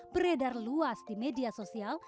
beredar luas di media sosial